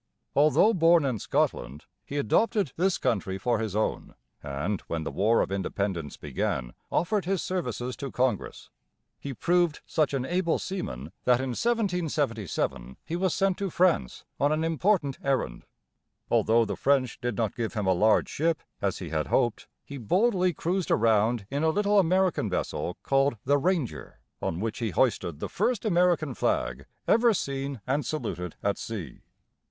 Although born in Scotland, he adopted this country for his own, and, when the War of Independence began, offered his services to Congress. He proved such an able seaman that in 1777 he was sent to France on an important errand. Although the French did not give him a large ship, as he had hoped, he boldly cruised around in a little American vessel called the Ranger, on which he hoisted the first American flag ever seen and saluted at sea.